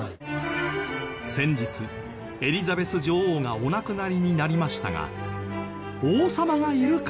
先日エリザベス女王がお亡くなりになりましたが。